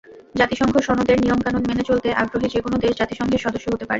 জাতিসংঘ সনদের নিয়মকানুন মেনে চলতে আগ্রহী যেকোনো দেশ জাতিসংঘের সদস্য হতে পারে।